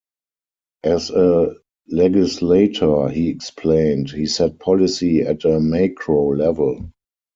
As a legislator, he explained, he set policy at a macro level.